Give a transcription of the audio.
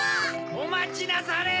おまちなされ！